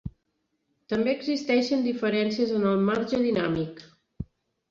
També existeixen diferències en el marge dinàmic.